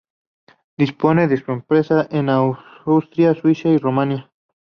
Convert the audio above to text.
Dispone de empresas en Austria, Suiza y Rumanía.